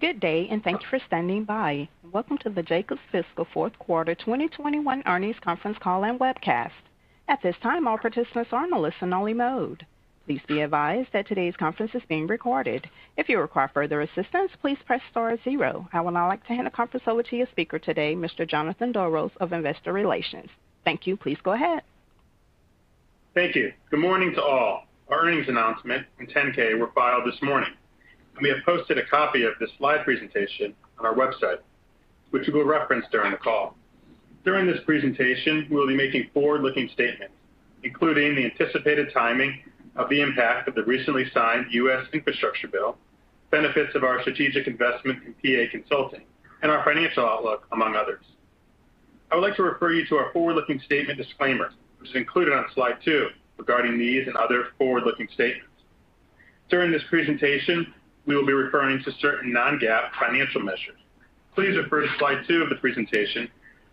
Good day, and thank you for standing by. Welcome to the Jacobs Fiscal Fourth Quarter 2021 Earnings Conference Call and Webcast. At this time, all participants are in listen-only mode. Please be advised that today's conference is being recorded. If you require further assistance, please press star zero. I would now like to hand the conference over to your speaker today, Mr. Jonathan Doros of Investor Relations. Thank you. Please go ahead. Thank you. Good morning to all. Our earnings announcement and 10-K were filed this morning. We have posted a copy of this live presentation on our website, which we will reference during the call. During this presentation, we'll be making forward-looking statements, including the anticipated timing of the impact of the recently signed U.S. infrastructure bill, benefits of our strategic investment in PA Consulting, and our financial outlook, among others. I would like to refer you to our forward-looking statement disclaimer, which is included on slide 2, regarding these and other forward-looking statements. During this presentation, we will be referring to certain non-GAAP financial measures. Please refer to slide 2 of the presentation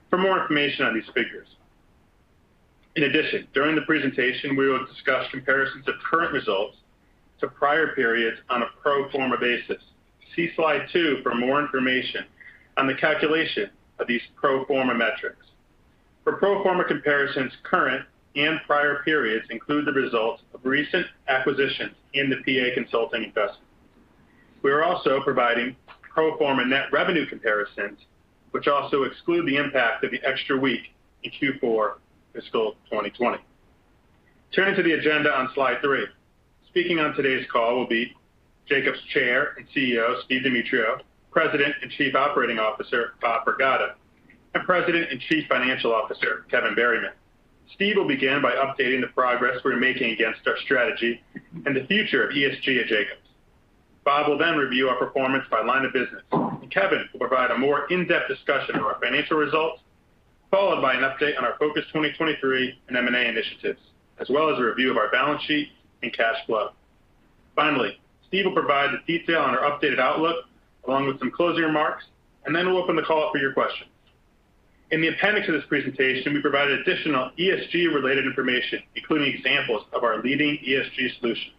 for more information on these figures. In addition, during the presentation, we will discuss comparisons of current results to prior periods on a pro forma basis. See slide 2 for more information on the calculation of these pro forma metrics. For pro forma comparisons, current and prior periods include the results of recent acquisitions in the PA Consulting investment. We are also providing pro forma net revenue comparisons, which also exclude the impact of the extra week in Q4 of fiscal 2020. Turning to the agenda on slide 3. Speaking on today's call will be Jacobs Chair and CEO, Steve Demetriou, President and Chief Operating Officer, Bob Pragada, and President and Chief Financial Officer, Kevin Berryman. Steve will begin by updating the progress we're making against our strategy and the future of ESG at Jacobs. Bob will then review our performance by line of business, and Kevin will provide a more in-depth discussion of our financial results, followed by an update on our Focus 2023 and M&A initiatives, as well as a review of our balance sheet and cash flow. Finally, Steve will provide the detail on our updated outlook along with some closing remarks, and then we'll open the call up for your questions. In the appendix of this presentation, we provided additional ESG-related information, including examples of our leading ESG solutions.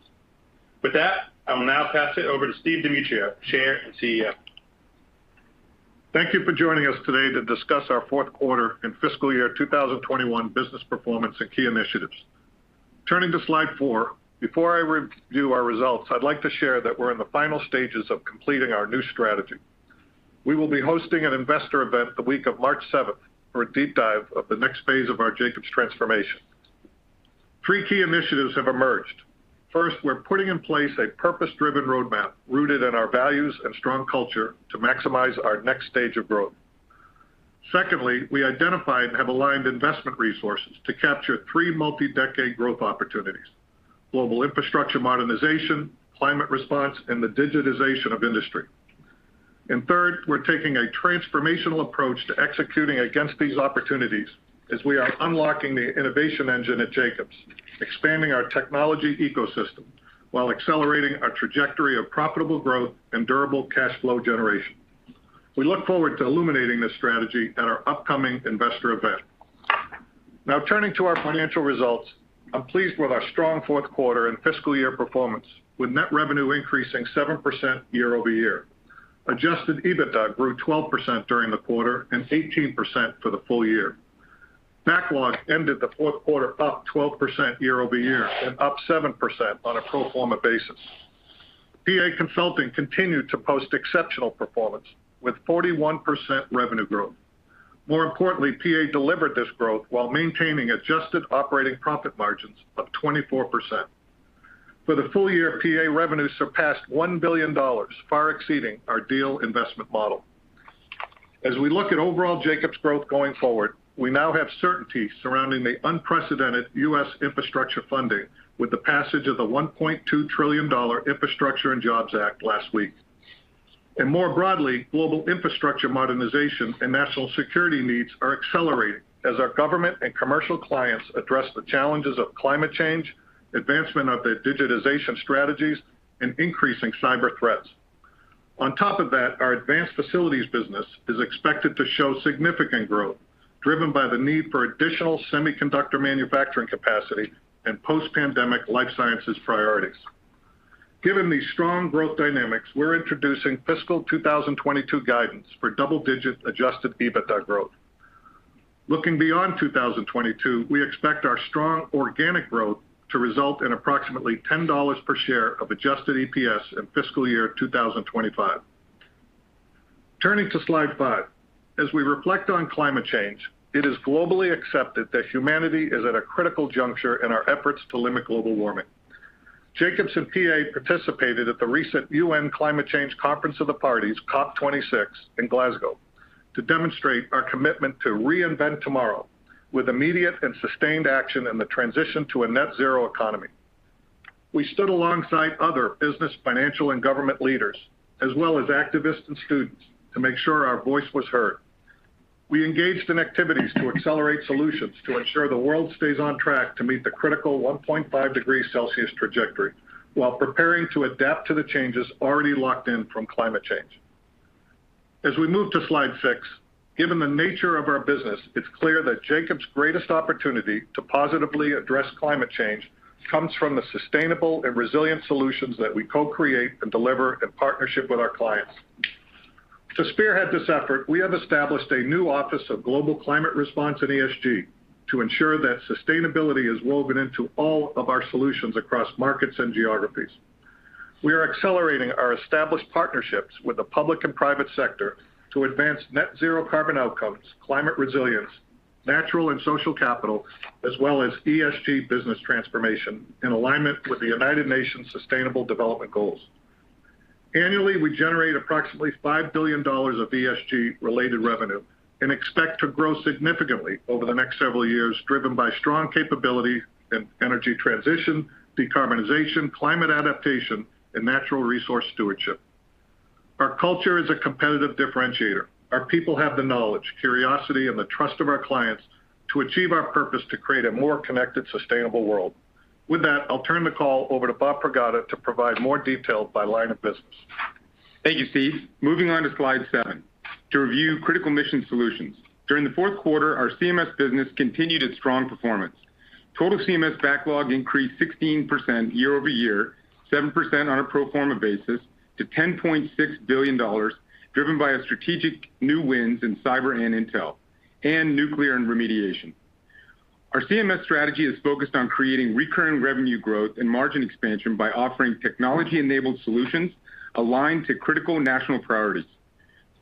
With that, I will now pass it over to Steve Demetriou, Chair and CEO. Thank you for joining us today to discuss our fourth quarter and fiscal year 2021 business performance and key initiatives. Turning to slide 4. Before I review our results, I'd like to share that we're in the final stages of completing our new strategy. We will be hosting an investor event the week of March seventh for a deep dive of the next phase of our Jacobs transformation. Three key initiatives have emerged. First, we're putting in place a purpose-driven roadmap rooted in our values and strong culture to maximize our next stage of growth. Secondly, we identified and have aligned investment resources to capture three multi-decade growth opportunities, global infrastructure modernization, climate response, and the digitization of industry. Third, we're taking a transformational approach to executing against these opportunities as we are unlocking the innovation engine at Jacobs, expanding our technology ecosystem while accelerating our trajectory of profitable growth and durable cash flow generation. We look forward to illuminating this strategy at our upcoming investor event. Now turning to our financial results. I'm pleased with our strong fourth quarter and fiscal year performance, with net revenue increasing 7% year-over-year. Adjusted EBITDA grew 12% during the quarter and 18% for the full year. Backlog ended the fourth quarter up 12% year-over-year and up 7% on a pro forma basis. PA Consulting continued to post exceptional performance with 41% revenue growth. More importantly, PA delivered this growth while maintaining adjusted operating profit margins of 24%. For the full year, PA revenue surpassed $1 billion, far exceeding our deal investment model. As we look at overall Jacobs growth going forward, we now have certainty surrounding the unprecedented U.S. infrastructure funding with the passage of the $1.2 trillion Infrastructure Investment and Jobs Act last week. More broadly, global infrastructure modernization and national security needs are accelerating as our government and commercial clients address the challenges of climate change, advancement of their digitization strategies, and increasing cyber threats. On top of that, our advanced facilities business is expected to show significant growth, driven by the need for additional semiconductor manufacturing capacity and post-pandemic life sciences priorities. Given these strong growth dynamics, we're introducing fiscal 2022 guidance for double-digit adjusted EBITDA growth. Looking beyond 2022, we expect our strong organic growth to result in approximately $10 per share of adjusted EPS in fiscal year 2025. Turning to slide 5. As we reflect on climate change, it is globally accepted that humanity is at a critical juncture in our efforts to limit global warming. Jacobs and PA participated at the recent UN Climate Change Conference of the Parties, COP26, in Glasgow to demonstrate our commitment to reinvent tomorrow with immediate and sustained action in the transition to a net zero economy. We stood alongside other business, financial, and government leaders, as well as activists and students, to make sure our voice was heard. We engaged in activities to accelerate solutions to ensure the world stays on track to meet the critical 1.5 degrees Celsius trajectory while preparing to adapt to the changes already locked in from climate change. As we moved to slide 6, given the nature of our business, it's clear that Jacobs' greatest opportunity to positively address climate change comes from the sustainable and resilient solutions that we co-create and deliver in partnership with our clients. To spearhead this effort, we have established a new office of global climate response and ESG to ensure that sustainability is woven into all of our solutions across markets and geographies. We are accelerating our established partnerships with the public and private sector to advance net zero carbon outcomes, climate resilience, natural and social capital, as well as ESG business transformation in alignment with the United Nations Sustainable Development Goals. Annually, we generate approximately $5 billion of ESG-related revenue and expect to grow significantly over the next several years, driven by strong capability in energy transition, decarbonization, climate adaptation, and natural resource stewardship. Our culture is a competitive differentiator. Our people have the knowledge, curiosity, and the trust of our clients to achieve our purpose to create a more connected, sustainable world. With that, I'll turn the call over to Bob Pragada to provide more detail by line of business. Thank you, Steve. Moving on to slide seven, to review critical mission solutions. During the fourth quarter, our CMS business continued its strong performance. Total CMS backlog increased 16% year-over-year, 7% on a pro forma basis to $10.6 billion, driven by a strategic new wins in cyber and intel, and nuclear and remediation. Our CMS strategy is focused on creating recurring revenue growth and margin expansion by offering technology-enabled solutions aligned to critical national priorities.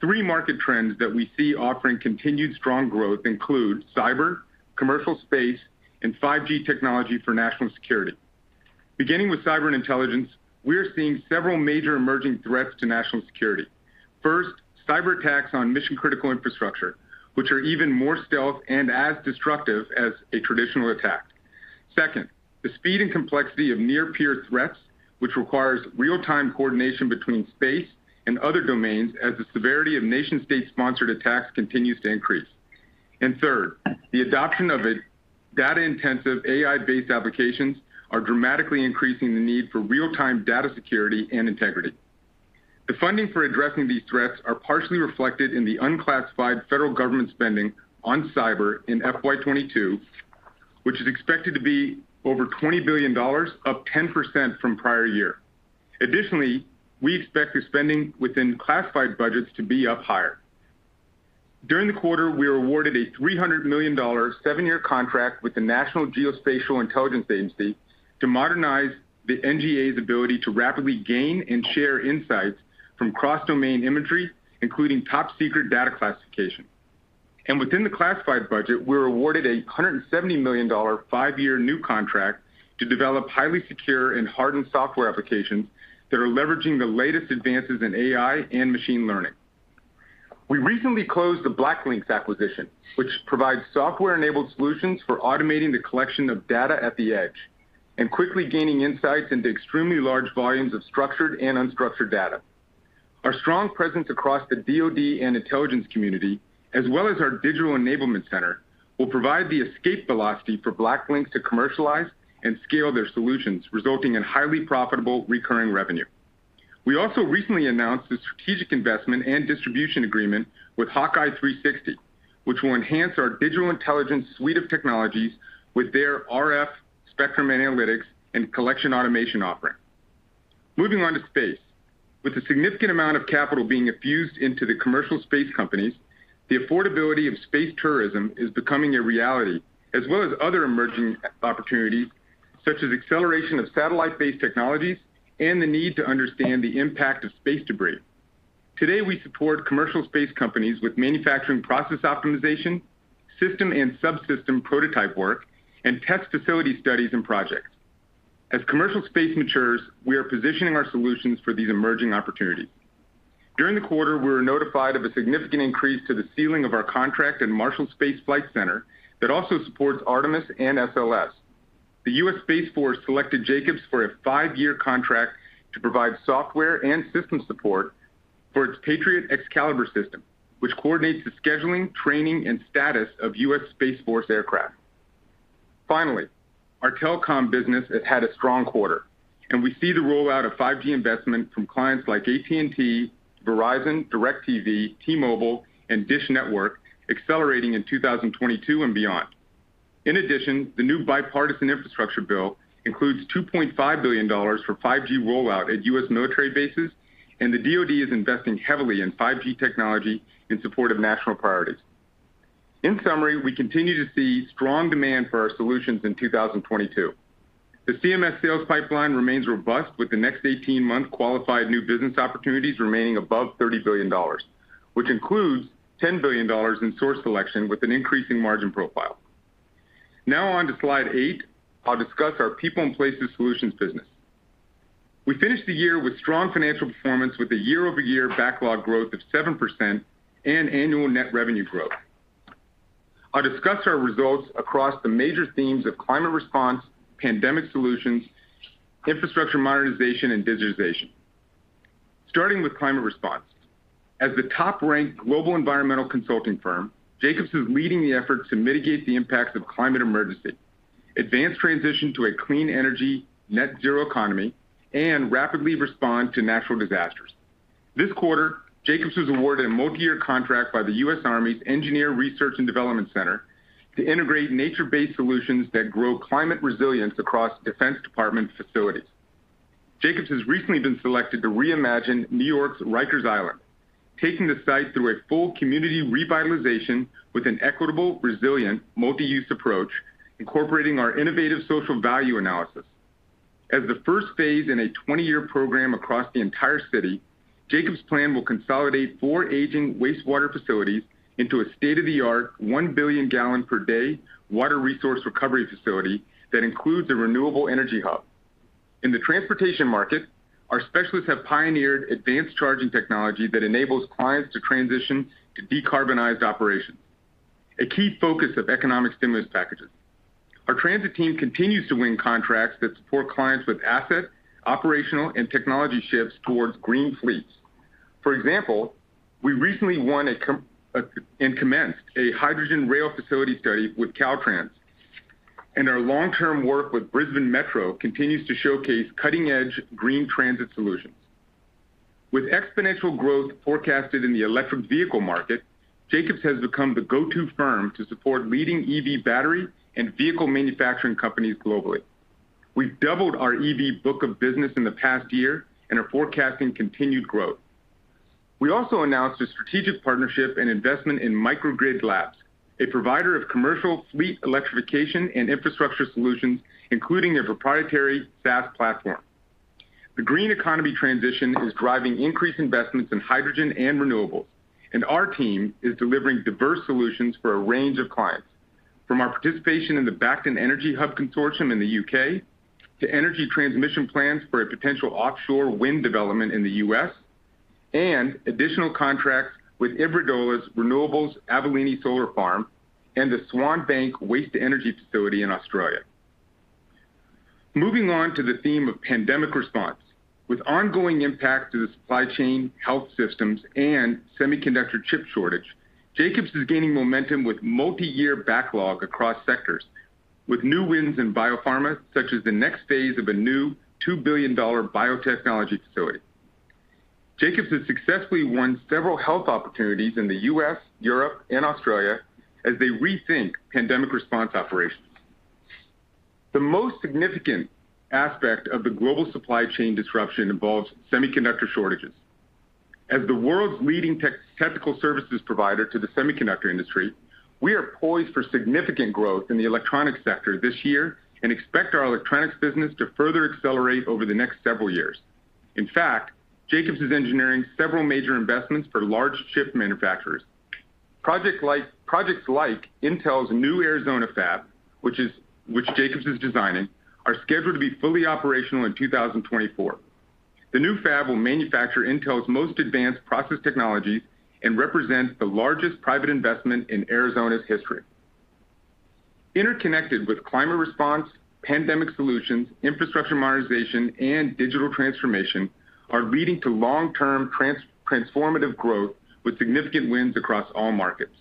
Three market trends that we see offering continued strong growth include cyber, commercial space, and 5G technology for national security. Beginning with cyber and intelligence, we are seeing several major emerging threats to national security. First, cyberattacks on mission-critical infrastructure, which are even more stealth and as destructive as a traditional attack. Second, the speed and complexity of near peer threats, which requires real-time coordination between space and other domains as the severity of nation-state-sponsored attacks continues to increase. Third, the adoption of data-intensive AI-based applications are dramatically increasing the need for real-time data security and integrity. The funding for addressing these threats are partially reflected in unclassified federal government spending on cyber in FY 2022, which is expected to be over $20 billion, up 10% from prior year. Additionally, we expect the spending within classified budgets to be up higher. During the quarter, we were awarded a $300 million seven-year contract with the National Geospatial-Intelligence Agency to modernize the NGA's ability to rapidly gain and share insights from cross-domain imagery, including top-secret data classification. Within the classified budget, we're awarded a $170 million five-year new contract to develop highly secure and hardened software applications that are leveraging the latest advances in AI and machine learning. We recently closed the BlackLynx acquisition, which provides software-enabled solutions for automating the collection of data at the edge and quickly gaining insights into extremely large volumes of structured and unstructured data. Our strong presence across the DOD and intelligence community, as well as our digital enablement center, will provide the escape velocity for BlackLynx to commercialize and scale their solutions, resulting in highly profitable recurring revenue. We also recently announced a strategic investment and distribution agreement with HawkEye 360, which will enhance our digital intelligence suite of technologies with their RF spectrum analytics and collection automation offering. Moving on to space. With a significant amount of capital being infused into the commercial space companies, the affordability of space tourism is becoming a reality, as well as other emerging opportunities, such as acceleration of satellite-based technologies and the need to understand the impact of space debris. Today, we support commercial space companies with manufacturing process optimization, system and subsystem prototype work, and test facility studies and projects. As commercial space matures, we are positioning our solutions for these emerging opportunities. During the quarter, we were notified of a significant increase to the ceiling of our contract in Marshall Space Flight Center that also supports Artemis and SLS. The U.S. Space Force selected Jacobs for a five-year contract to provide software and system support for its Patriot Excalibur system, which coordinates the scheduling, training, and status of U.S. Space Force aircraft. Finally, our telecom business has had a strong quarter, and we see the rollout of 5G investment from clients like AT&T, Verizon, DIRECTV, T-Mobile, and DISH Network accelerating in 2022 and beyond. In addition, the new bipartisan infrastructure bill includes $2.5 billion for 5G rollout at U.S. military bases, and the DOD is investing heavily in 5G technology in support of national priorities. In summary, we continue to see strong demand for our solutions in 2022. The CMS sales pipeline remains robust, with the next 18-month qualified new business opportunities remaining above $30 billion, which includes $10 billion in source selection with an increasing margin profile. Now on to slide 8, I'll discuss our People & Places Solutions business. We finished the year with strong financial performance with a year-over-year backlog growth of 7% and annual net revenue growth. I'll discuss our results across the major themes of climate response, pandemic solutions, infrastructure modernization, and digitization. Starting with climate response. As the top-ranked global environmental consulting firm, Jacobs is leading the effort to mitigate the impacts of climate emergency, advance transition to a clean energy net zero economy and rapidly respond to natural disasters. This quarter, Jacobs was awarded a multi-year contract by the U.S. Army Engineer Research and Development Center to integrate nature-based solutions that grow climate resilience across Defense Department facilities. Jacobs has recently been selected to reimagine New York's Rikers Island, taking the site through a full community revitalization with an equitable, resilient, multi-use approach, incorporating our innovative social value analysis. As the first phase in a 20-year program across the entire city, Jacobs' plan will consolidate four aging wastewater facilities into a state-of-the-art, one billion gallon per day water resource recovery facility that includes a renewable energy hub. In the transportation market, our specialists have pioneered advanced charging technology that enables clients to transition to decarbonized operations, a key focus of economic stimulus packages. Our transit team continues to win contracts that support clients with asset, operational, and technology shifts towards green fleets. For example, we recently won and commenced a hydrogen rail facility study with Caltrans, and our long-term work with Brisbane Metro continues to showcase cutting-edge green transit solutions. With exponential growth forecasted in the electric vehicle market, Jacobs has become the go-to firm to support leading EV battery and vehicle manufacturing companies globally. We've doubled our EV book of business in the past year and are forecasting continued growth. We also announced a strategic partnership and investment in Microgrid Labs, a provider of commercial fleet electrification and infrastructure solutions, including their proprietary SaaS platform. The green economy transition is driving increased investments in hydrogen and renewables, and our team is delivering diverse solutions for a range of clients, from our participation in the Bacton Energy Hub consortium in the U.K. to energy transmission plans for a potential offshore wind development in the U.S., and additional contracts with Iberdrola's renewables Avonlie Solar Farm and the Swanbank waste energy facility in Australia. Moving on to the theme of pandemic response. With ongoing impact to the supply chain, health systems, and semiconductor chip shortage, Jacobs is gaining momentum with multi-year backlog across sectors with new wins in biopharma, such as the next phase of a new $2 billion biotechnology facility. Jacobs has successfully won several health opportunities in the U.S., Europe, and Australia as they rethink pandemic response operations. The most significant aspect of the global supply chain disruption involves semiconductor shortages. As the world's leading technical services provider to the semiconductor industry, we are poised for significant growth in the electronic sector this year and expect our electronics business to further accelerate over the next several years. In fact, Jacobs is engineering several major investments for large chip manufacturers. Projects like Intel's new Arizona fab, which Jacobs is designing, are scheduled to be fully operational in 2024. The new fab will manufacture Intel's most advanced process technologies and represents the largest private investment in Arizona's history. Interconnected with climate response, pandemic solutions, infrastructure modernization, and digital transformation are leading to long-term transformative growth with significant wins across all markets.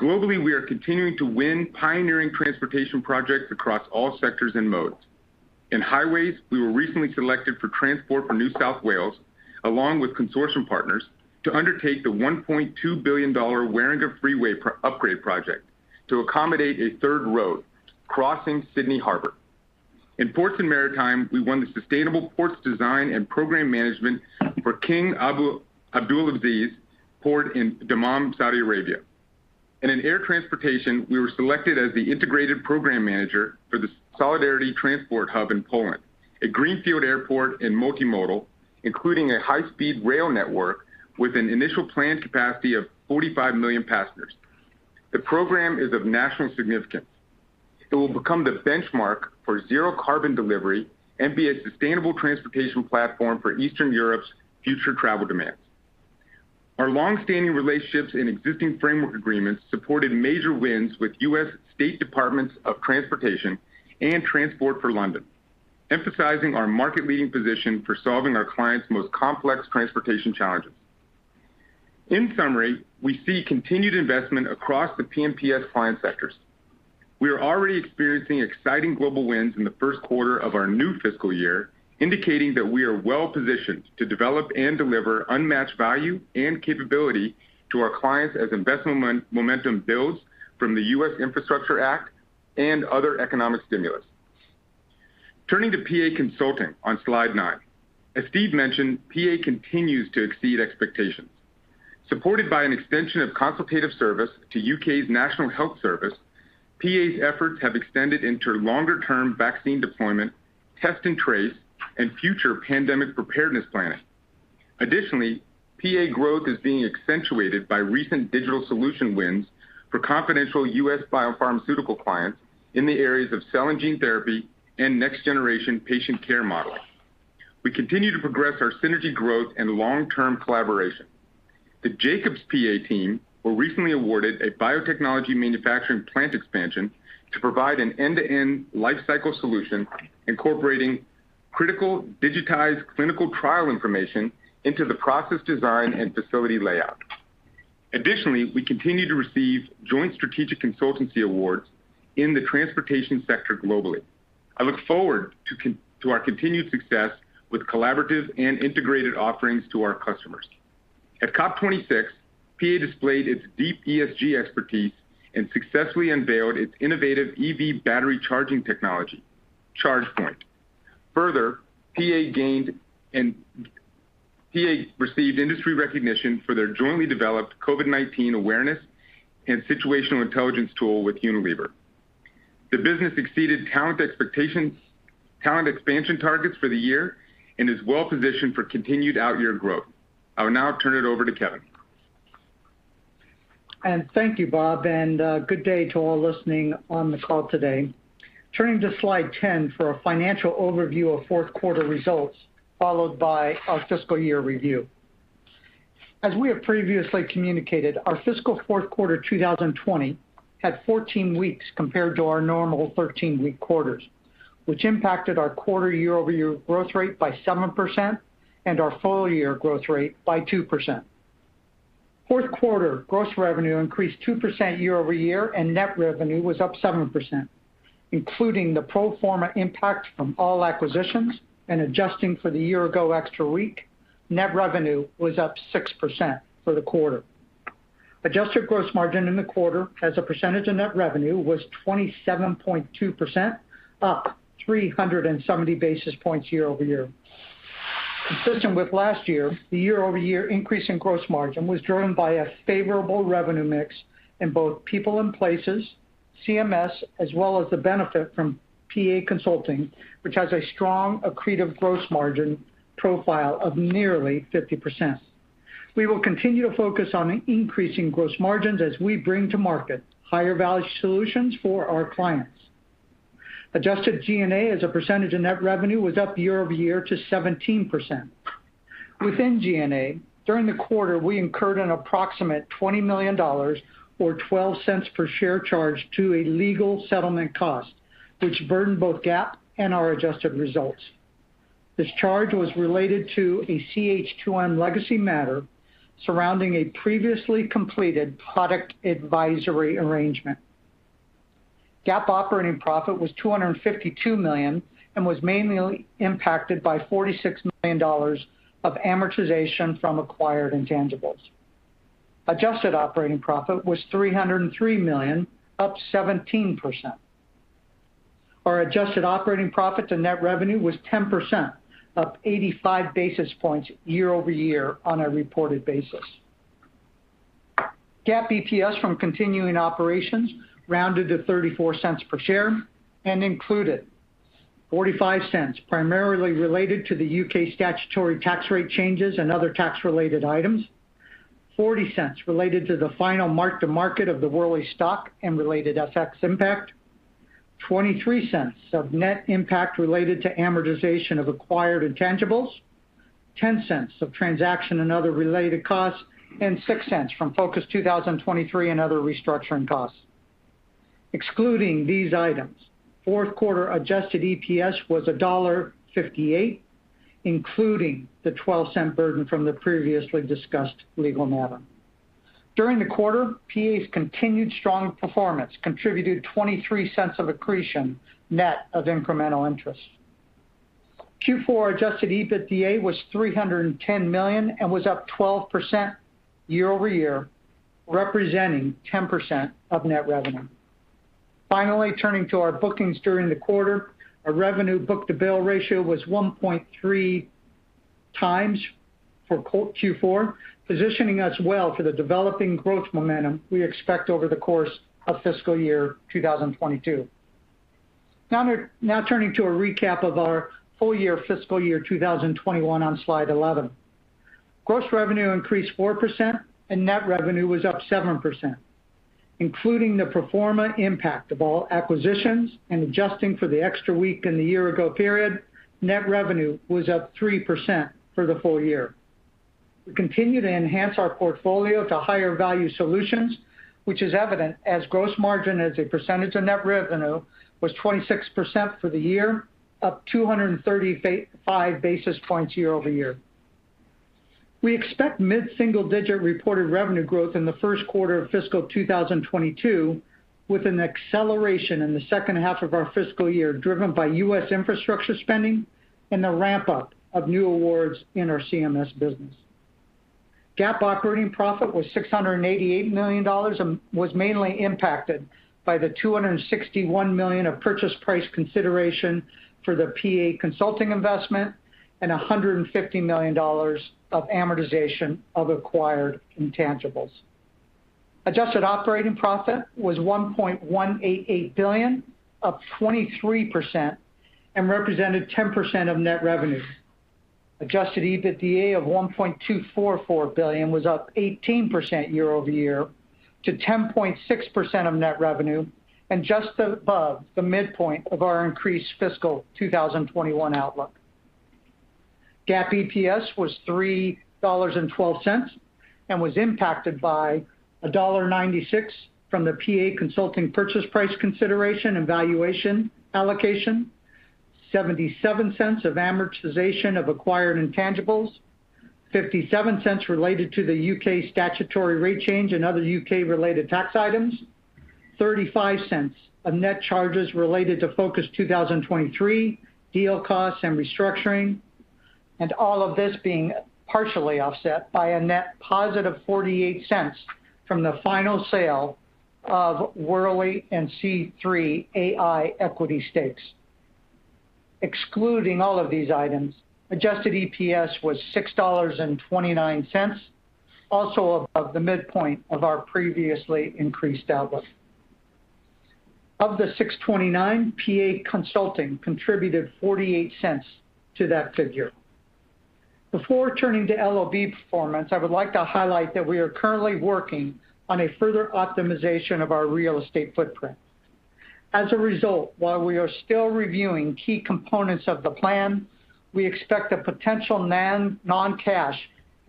Globally, we are continuing to win pioneering transportation projects across all sectors and modes. In highways, we were recently selected for Transport for New South Wales, along with consortium partners, to undertake the $1.2 billion Warringah Freeway upgrade project to accommodate a third road crossing Sydney Harbor. In ports and maritime, we won the sustainable ports design and program management for King Abdulaziz Port in Dammam, Saudi Arabia. In air transportation, we were selected as the integrated program manager for the Solidarity Transport Hub in Poland, a greenfield airport and multimodal, including a high-speed rail network with an initial planned capacity of 45 million passengers. The program is of national significance. It will become the benchmark for zero carbon delivery and be a sustainable transportation platform for Eastern Europe's future travel demands. Our long-standing relationships and existing framework agreements supported major wins with U.S. State Departments of Transportation and Transport for London, emphasizing our market-leading position for solving our clients' most complex transportation challenges. In summary, we see continued investment across the P&PS client sectors. We are already experiencing exciting global wins in the first quarter of our new fiscal year, indicating that we are well-positioned to develop and deliver unmatched value and capability to our clients as investment momentum builds from the U.S. Infrastructure Act and other economic stimulus. Turning to PA Consulting on slide 9. As Steve mentioned, PA continues to exceed expectations. Supported by an extension of consultative service to U.K.'s National Health Service, PA's efforts have extended into longer-term vaccine deployment, test and trace, and future pandemic preparedness planning. Additionally, PA growth is being accentuated by recent digital solution wins for confidential U.S. biopharmaceutical clients in the areas of cell and gene therapy and next-generation patient care modeling. We continue to progress our synergy growth and long-term collaboration. The Jacobs PA team were recently awarded a biotechnology manufacturing plant expansion to provide an end-to-end life cycle solution incorporating critical digitized clinical trial information into the process design and facility layout. Additionally, we continue to receive joint strategic consultancy awards in the transportation sector globally. I look forward to our continued success with collaborative and integrated offerings to our customers. At COP26, PA displayed its deep ESG expertise and successfully unveiled its innovative EV battery charging technology, ChargePoint. Further, PA received industry recognition for their jointly developed COVID-19 awareness and situational intelligence tool with Unilever. The business exceeded talent expectations, talent expansion targets for the year, and is well-positioned for continued out-year growth. I will now turn it over to Kevin. Thank you, Bob, and good day to all listening on the call today. Turning to slide 10 for a financial overview of fourth quarter results, followed by our fiscal year review. As we have previously communicated, our fiscal fourth quarter 2020 had 14 weeks compared to our normal 13-week quarters, which impacted our quarter year-over-year growth rate by 7% and our full year growth rate by 2%. Fourth quarter gross revenue increased 2% year-over-year and net revenue was up 7%, including the pro forma impact from all acquisitions and adjusting for the year-ago extra week, net revenue was up 6% for the quarter. Adjusted gross margin in the quarter as a percentage of net revenue was 27.2%, up 370 basis points year-over-year. Consistent with last year, the year-over-year increase in gross margin was driven by a favorable revenue mix in both people and places, CMS, as well as the benefit from PA Consulting, which has a strong accretive gross margin profile of nearly 50%. We will continue to focus on increasing gross margins as we bring to market higher value solutions for our clients. Adjusted G&A as a percentage of net revenue was up year-over-year to 17%. Within G&A, during the quarter, we incurred an approximate $20 million or 12 cents per share charge to a legal settlement cost, which burdened both GAAP and our adjusted results. This charge was related to a CH2M legacy matter surrounding a previously completed product advisory arrangement. GAAP operating profit was $252 million and was mainly impacted by $46 million of amortization from acquired intangibles. Adjusted operating profit was $303 million, up 17%. Our adjusted operating profit to net revenue was 10%, up 85 basis points year-over-year on a reported basis. GAAP EPS from continuing operations rounded to $0.34 per share and included $0.45 primarily related to the U.K. statutory tax rate changes and other tax-related items, $0.40 related to the final mark-to-market of the Worley stock and related FX impact, $0.23 of net impact related to amortization of acquired intangibles, $0.10 of transaction and other related costs, and $0.06 from Focus 2023 and other restructuring costs. Excluding these items, fourth quarter adjusted EPS was $1.58, including the $0.12 burden from the previously discussed legal matter. During the quarter, PA's continued strong performance contributed $0.23 of accretion net of incremental interest. Q4 adjusted EBITDA was $310 million and was up 12% year-over-year, representing 10% of net revenue. Finally, turning to our bookings during the quarter, our revenue book-to-bill ratio was 1.3 times for Q4, positioning us well for the developing growth momentum we expect over the course of fiscal year 2022. Now turning to a recap of our full year fiscal year 2021 on slide 11. Gross revenue increased 4% and net revenue was up 7%, including the pro forma impact of all acquisitions and adjusting for the extra week in the year-ago period, net revenue was up 3% for the full year. We continue to enhance our portfolio to higher value solutions, which is evident as gross margin as a percentage of net revenue was 26% for the year, up 235 basis points year-over-year. We expect mid-single-digit reported revenue growth in the first quarter of fiscal 2022, with an acceleration in the second half of our fiscal year driven by U.S. infrastructure spending and the ramp-up of new awards in our CMS business. GAAP operating profit was $688 million and was mainly impacted by the $261 million of purchase price consideration for the PA Consulting investment and $150 million of amortization of acquired intangibles. Adjusted operating profit was $1.188 billion, up 23% and represented 10% of net revenue. Adjusted EBITDA of $1.244 billion was up 18% year-over-year to 10.6% of net revenue and just above the midpoint of our increased fiscal 2021 outlook. GAAP EPS was $3.12 and was impacted by $1.96 from the PA Consulting purchase price consideration and valuation allocation, $0.77 of amortization of acquired intangibles, $0.57 related to the U.K. statutory rate change and other U.K.-related tax items, $0.35 of net charges related to Focus 2023 deal costs and restructuring, and all of this being partially offset by a net positive $0.48 from the final sale of Worley and C3.ai equity stakes. Excluding all of these items, adjusted EPS was $6.29, also above the midpoint of our previously increased outlook. Of the $6.29, PA Consulting contributed $0.48 to that figure. Before turning to LOB performance, I would like to highlight that we are currently working on a further optimization of our real estate footprint. As a result, while we are still reviewing key components of the plan, we expect a potential non-cash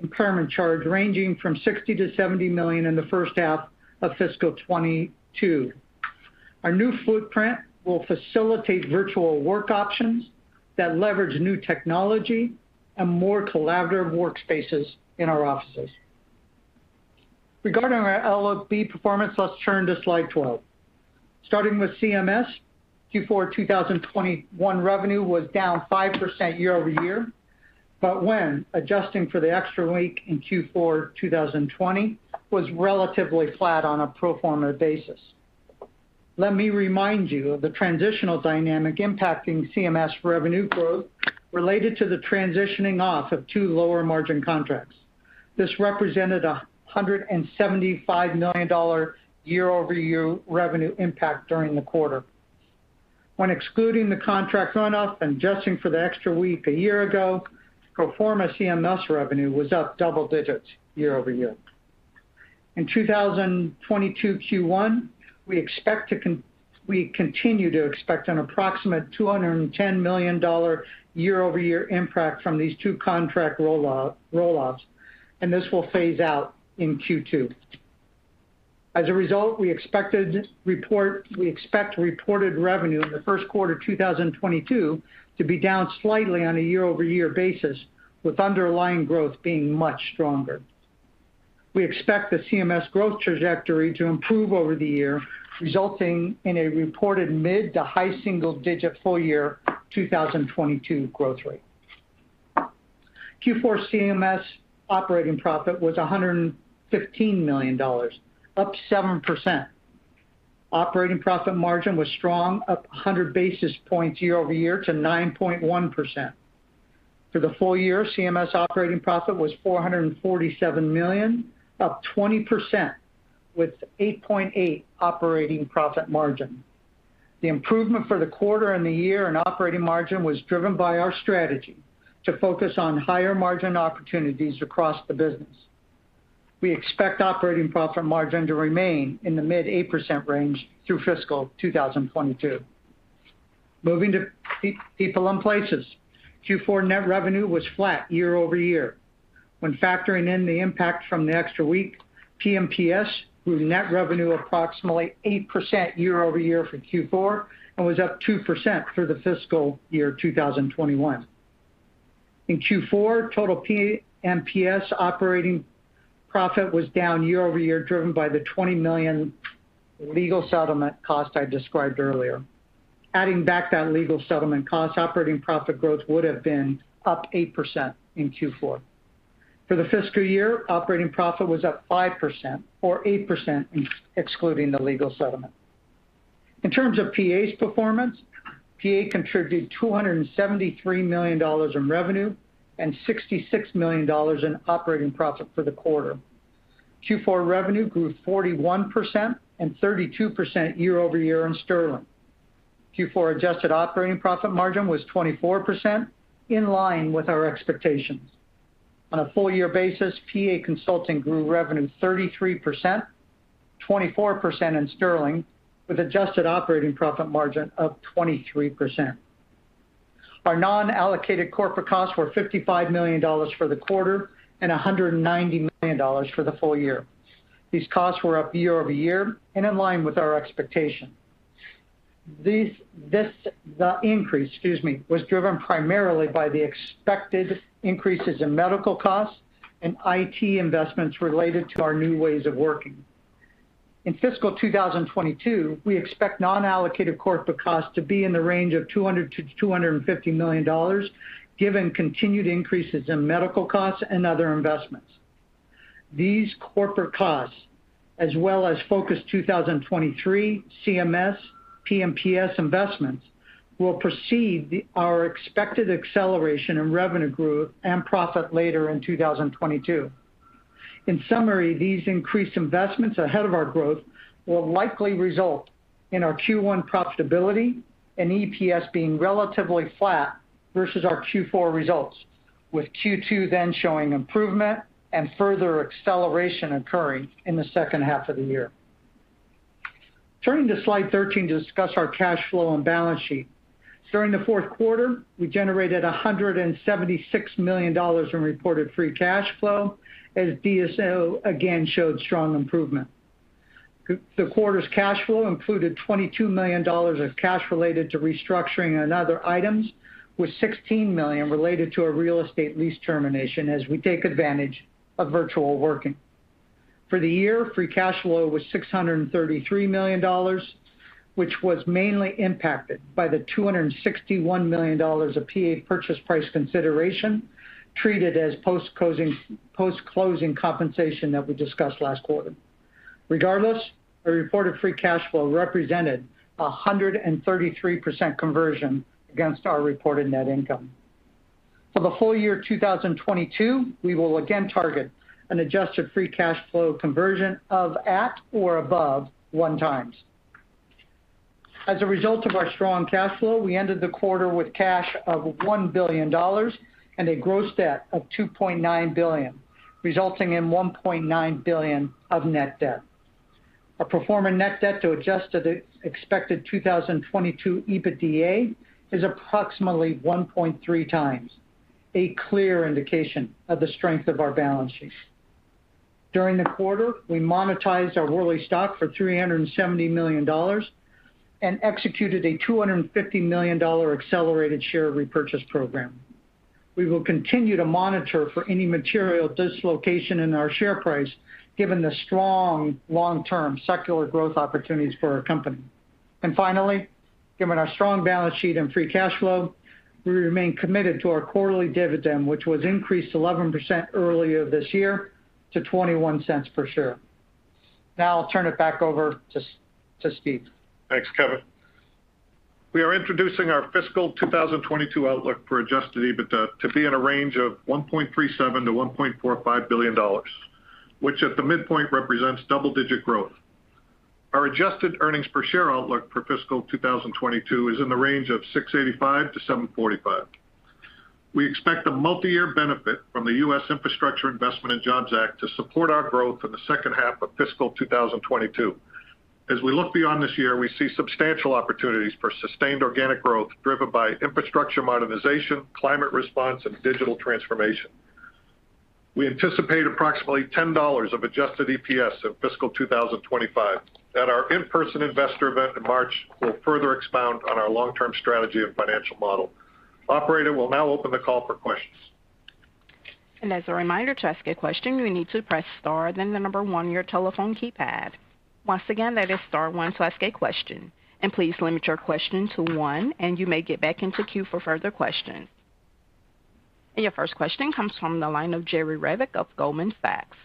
impairment charge ranging from $60 million-$70 million in the first half of fiscal 2022. Our new footprint will facilitate virtual work options that leverage new technology and more collaborative workspaces in our offices. Regarding our LOB performance, let's turn to slide 12. Starting with CMS, Q4 2021 revenue was down 5% year-over-year, but when adjusting for the extra week in Q4 2020, was relatively flat on a pro forma basis. Let me remind you of the transitional dynamic impacting CMS revenue growth related to the transitioning off of two lower margin contracts. This represented $175 million year-over-year revenue impact during the quarter. When excluding the contract run off and adjusting for the extra week a year ago, pro forma CMS revenue was up double digits year-over-year. In 2022 Q1, we continue to expect an approximate $210 million year-over-year impact from these two contract rolloffs, and this will phase out in Q2. As a result, we expect reported revenue in the first quarter 2022 to be down slightly on a year-over-year basis, with underlying growth being much stronger. We expect the CMS growth trajectory to improve over the year, resulting in a reported mid- to high-single-digit full-year 2022 growth rate. Q4 CMS operating profit was $115 million, up 7%. Operating profit margin was strong, up 100 basis points year-over-year to 9.1%. For the full year, CMS operating profit was $447 million, up 20% with 8.8% operating profit margin. The improvement for the quarter and the year in operating margin was driven by our strategy to focus on higher margin opportunities across the business. We expect operating profit margin to remain in the mid-8% range through fiscal 2022. Moving to People and Places. Q4 net revenue was flat year-over-year. When factoring in the impact from the extra week, P&PS grew net revenue approximately 8% year-over-year for Q4 and was up 2% for the fiscal year 2021. In Q4, total P&PS operating profit was down year-over-year, driven by the $20 million legal settlement cost I described earlier. Adding back that legal settlement cost, operating profit growth would have been up 8% in Q4. For the fiscal year, operating profit was up 5% or 8% excluding the legal settlement. In terms of PA's performance, PA contributed $273 million in revenue and $66 million in operating profit for the quarter. Q4 revenue grew 41% and 32% year-over-year in sterling. Q4 adjusted operating profit margin was 24% in line with our expectations. On a full year basis, PA Consulting grew revenue 33%, 24% in sterling with adjusted operating profit margin of 23%. Our non-allocated corporate costs were $55 million for the quarter and $190 million for the full year. These costs were up year-over-year and in line with our expectations. The increase, excuse me, was driven primarily by the expected increases in medical costs and IT investments related to our new ways of working. In fiscal 2022, we expect non-allocated corporate costs to be in the range of $200 million-$250 million, given continued increases in medical costs and other investments. These corporate costs, as well as Focus 2023, CMS, P&PS investments, will precede our expected acceleration in revenue growth and profit later in 2022. In summary, these increased investments ahead of our growth will likely result in our Q1 profitability and EPS being relatively flat versus our Q4 results, with Q2 then showing improvement and further acceleration occurring in the second half of the year. Turning to slide 13 to discuss our cash flow and balance sheet. During the fourth quarter, we generated $176 million in reported free cash flow as DSO again showed strong improvement. The quarter's cash flow included $22 million of cash related to restructuring and other items, with $16 million related to a real estate lease termination as we take advantage of virtual working. For the year, free cash flow was $633 million, which was mainly impacted by the $261 million of PA purchase price consideration treated as post-closing compensation that we discussed last quarter. Regardless, our reported free cash flow represented 133% conversion against our reported net income. For the whole year of 2022, we will again target an adjusted free cash flow conversion of 1.0x or above. As a result of our strong cash flow, we ended the quarter with cash of $1 billion and a gross debt of $2.9 billion, resulting in $1.9 billion of net debt. Our pro forma net debt to adjusted expected 2022 EBITDA is approximately 1.3x, a clear indication of the strength of our balance sheet. During the quarter, we monetized our Worley stock for $370 million and executed a $250 million accelerated share repurchase program. We will continue to monitor for any material dislocation in our share price given the strong long-term secular growth opportunities for our company. Finally, given our strong balance sheet and free cash flow, we remain committed to our quarterly dividend, which was increased 11% earlier this year to $0.21 per share. Now I'll turn it back over to Steve. Thanks, Kevin. We are introducing our fiscal 2022 outlook for adjusted EBITDA to be in a range of $1.37 billion-$1.45 billion, which at the midpoint represents double-digit growth. Our adjusted earnings per share outlook for fiscal 2022 is in the range of $6.85-$7.45. We expect a multiyear benefit from the U.S. Infrastructure Investment and Jobs Act to support our growth in the second half of fiscal 2022. As we look beyond this year, we see substantial opportunities for sustained organic growth driven by infrastructure modernization, climate response, and digital transformation. We anticipate approximately $10 of adjusted EPS in fiscal 2025. At our in-person investor event in March, we'll further expound on our long-term strategy and financial model. Operator, we'll now open the call for questions. As a reminder, to ask a question, you need to press star then 1 on your telephone keypad. Once again, that is star one to ask a question. Please limit your question to one, and you may get back into queue for further questions. Your first question comes from the line of Jerry Revich of Goldman Sachs.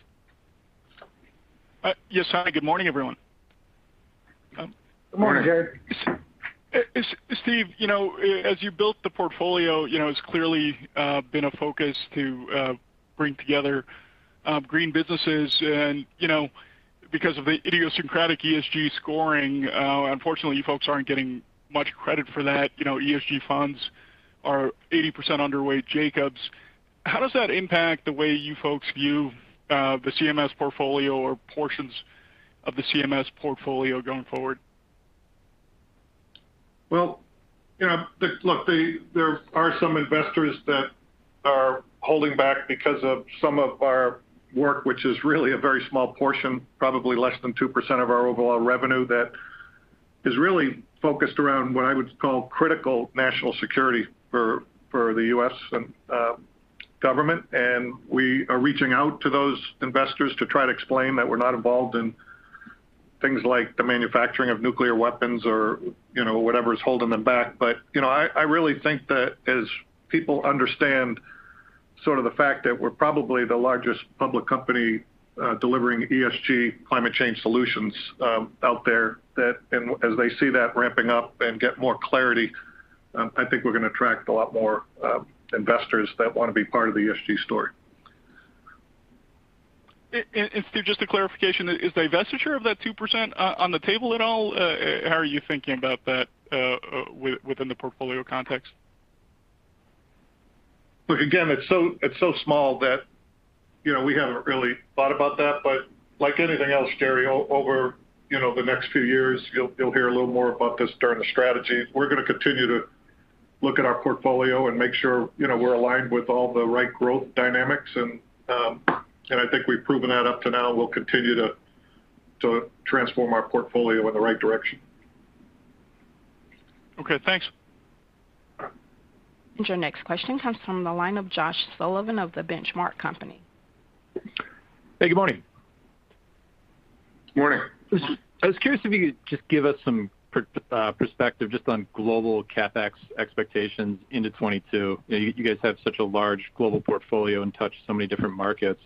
Yes, hi, good morning, everyone. Good morning, Jerry. Steve, as you built the portfolio, it's clearly been a focus to bring together green businesses and because of the idiosyncratic ESG scoring, unfortunately you folks aren't getting much credit for that. ESG funds are 80% underweight Jacobs. How does that impact the way you folks view the CMS portfolio or portions of the CMS portfolio going forward? There are some investors that are holding back because of some of our work, which is really a very small portion, probably less than 2% of our overall revenue that is really focused around what I would call critical national security for the U.S. and government. We are reaching out to those investors to try to explain that we're not involved in things like the manufacturing of nuclear weapons or whatever is holding them back. I really think that as people understand the fact that we're probably the largest public company delivering ESG climate change solutions out there, that as they see that ramping up and get more clarity, we're gonna attract a lot more investors that wanna be part of the ESG story. Steve, just a clarification. Is divestiture of that 2% on the table at all? How are you thinking about that within the portfolio context? It's so small that we haven't really thought about that. But like anything else, Jerry, over the next few years, you'll hear a little more about this during the strategy. We're gonna continue to look at our portfolio and make sure, we're aligned with all the right growth dynamics and we've proven that up to now, and we'll continue to transform our portfolio in the right direction. Okay, thanks. Your next question comes from the line of Josh Sullivan of The Benchmark Company. Good morning. Morning. I was curious if you could just give us some perspective just on global CapEx expectations into 2022. You guys have such a large global portfolio and touch so many different markets.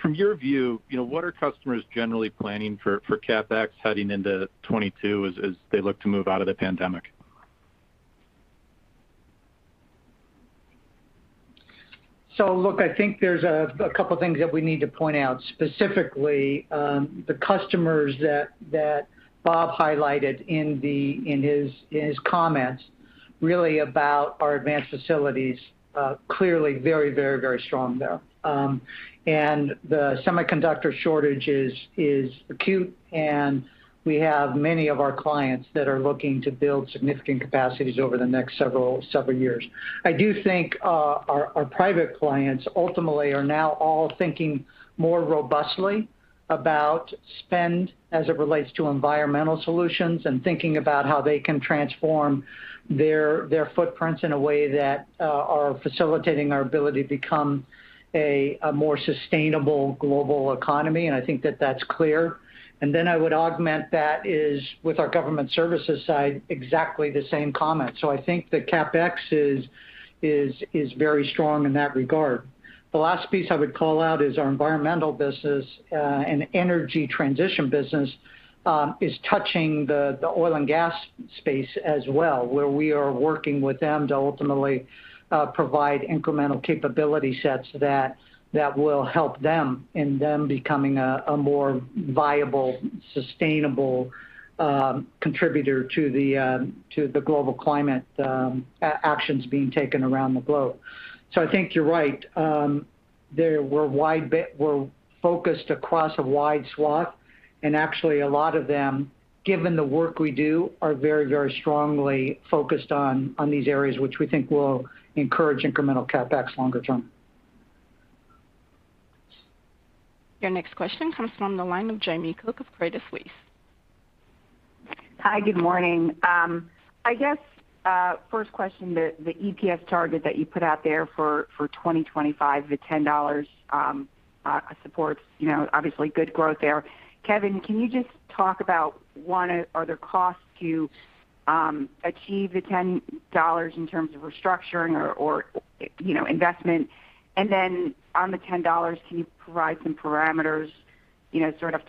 From your view, what are customers generally planning for CapEx heading into 2022 as they look to move out of the pandemic? There's a couple things that we need to point out. Specifically, the customers that Bob highlighted in his comments really about our advanced facilities clearly very strong there. And the semiconductor shortage is acute and we have many of our clients that are looking to build significant capacities over the next several years. I do think our private clients ultimately are now all thinking more robustly about spend as it relates to environmental solutions and thinking about how they can transform their footprints in a way that are facilitating our ability to become a more sustainable global economy. That that's clear. I would augment that with our government services side, exactly the same comment. The CapEx is very strong in that regard. The last piece I would call out is our environmental business and energy transition business is touching the oil and gas space as well, where we are working with them to ultimately provide incremental capability sets that will help them in becoming a more viable, sustainable contributor to the global climate actions being taken around the globe. You're right. We're focused across a wide swath, and actually a lot of them, given the work we do, are very strongly focused on these areas, which we think will encourage incremental CapEx longer term. Your next question comes from the line of Jamie Cook of Credit Suisse. Hi, good morning. First question, the EPS target that you put out there for 2025, the $10 supports, obviously good growth there. Kevin, can you just talk about, are there costs to achieve the $10 in terms of restructuring or investment? On the $10, can you provide some parameters